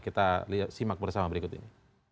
kita simak bersama berikut ini